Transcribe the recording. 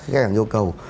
các khách hàng nhu cầu